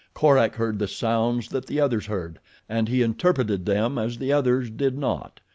Korak heard the sounds that the others heard, and he interpreted them as the others did not.